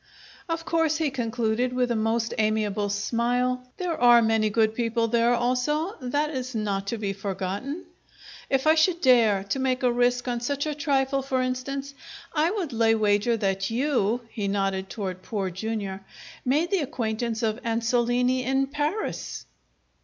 "Of course," he concluded, with a most amiable smile, "there are many good people there also. That is not to be forgotten. If I should dare to make a risk on such a trifle, for instance, I would lay wager that you" he nodded toward Poor Jr. "made the acquaintance of Ansolini in Paris?"